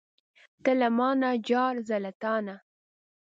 ته له مانه جار، زه له تانه.